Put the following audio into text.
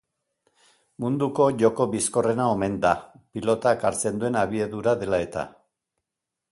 Munduko joko bizkorrena omen da, pilotak hartzen duen abiadura dela-eta.